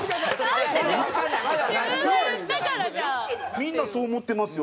みんなそう思ってますよ。